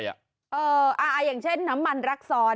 อย่างเช่นน้ำมันรักซ้อน